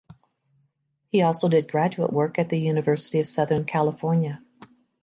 He also did graduate work at the University of Southern California.